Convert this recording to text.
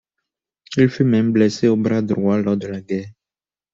Il fut même blessé au bras droit lors de la guerre.